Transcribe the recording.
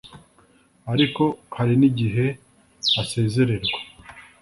ariko hari n’igihe asezererwa